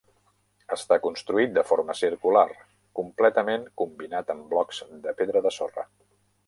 Està construït de forma circular, completament combinat amb blocs de pedra de sorra.